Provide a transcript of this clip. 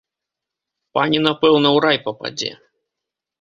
Пані напэўна ў рай пападзе.